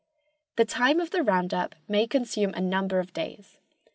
The time of the "round up" may consume a number of days.